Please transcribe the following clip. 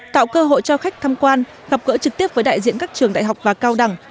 tạo cơ hội cho khách tham quan gặp gỡ trực tiếp với đại diện các trường đại học và cao đẳng